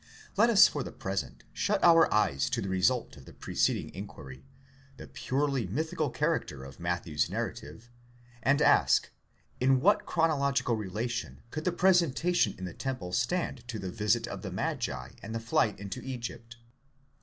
Let us for the present shut our eyes to the result of the preced ing inquiry—the purely mythical character of Matthew's narrative—and ask : In what chronological relation could the presentation in the temple stand to the visit of the magi and the flight into Egypt?